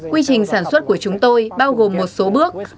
quy trình sản xuất của chúng tôi bao gồm một số bước